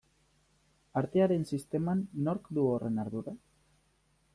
Artearen sisteman nork du horren ardura?